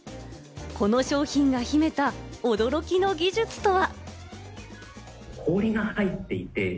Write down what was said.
この商品が秘めた驚きの技術とは？